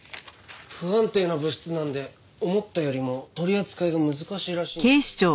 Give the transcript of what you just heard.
不安定な物質なので思ったよりも取り扱いが難しいらしいんですよね。